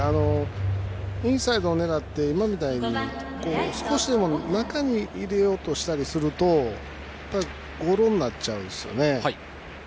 インサイドを狙って今のみたいに少しでも中に入れようとしたりするとゴロになっちゃうんですよね。